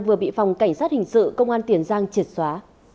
vừa bị phòng cảnh sát hình sự công an tiền giang triệt xóa